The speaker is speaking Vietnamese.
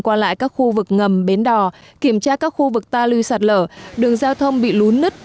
qua lại các khu vực ngầm bến đò kiểm tra các khu vực ta lưu sạt lở đường giao thông bị lún nứt